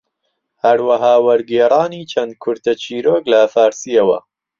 هەروەها وەرگێڕانی چەند کورتە چیرۆک لە فارسییەوە